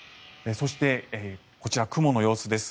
そして、こちら、雲の様子です。